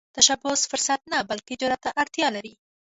تشبث فرصت نه، بلکې جرئت ته اړتیا لري